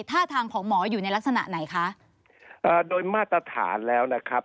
ท่าทางของหมออยู่ในลักษณะไหนคะเอ่อโดยมาตรฐานแล้วนะครับ